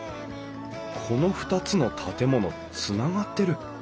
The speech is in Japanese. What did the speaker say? この２つの建物つながってる。